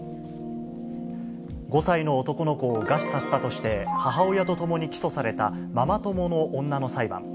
５歳の男の子を餓死させたとして、母親とともに起訴されたママ友の女の裁判。